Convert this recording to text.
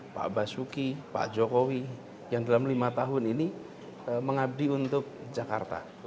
pak basuki pak jokowi yang dalam lima tahun ini mengabdi untuk jakarta